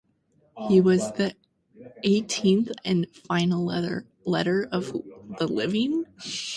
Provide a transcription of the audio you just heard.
He was the eighteenth and final Letter of the Living.